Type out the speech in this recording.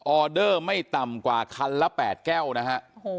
อเดอร์ไม่ต่ำกว่าคันละ๘แก้วนะฮะ